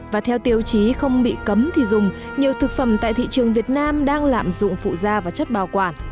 và theo tiêu chí không bị cấm thì dùng nhiều thực phẩm tại thị trường việt nam đang lạm dụng phụ da và chất bảo quản